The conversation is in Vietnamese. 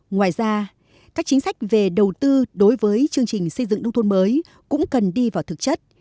ngoài ra các chính sách về đầu tư đối với chương trình xây dựng nông thôn mới cũng cần đi vào thực chất